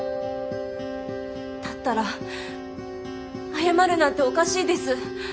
だったら謝るなんておかしいです。